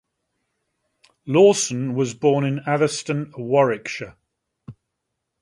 Lawson was born in Atherstone, Warwickshire.